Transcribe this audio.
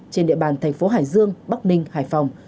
trên địa bàn thành phố hải dương bắc ninh hải phòng